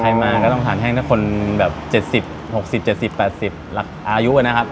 ใครมาก็ต้องทานแห้งแต่คนแบบเจ็ดสิบหกสิบเจ็ดสิบแปดสิบอายุไว้นะครับ